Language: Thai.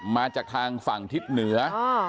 มาจากทางฝั่งทิศเหนือ